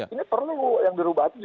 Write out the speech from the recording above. ini perlu yang dirubah